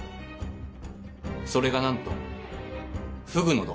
それが何とフグの毒。